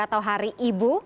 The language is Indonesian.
atau hari ibu